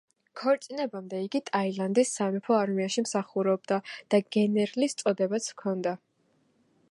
ქორწინებამდე იგი ტაილანდის სამეფო არმიაში მსახურობდა და გენერლის წოდებაც ჰქონდა.